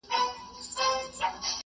ځوانان په ټاکنو کي مهم رول لوبوي.